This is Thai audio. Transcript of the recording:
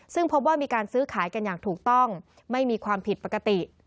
ซึ่งพบว่ามีการซื้อขายกันอย่างถูกต้องไม่มีความผิดปกติ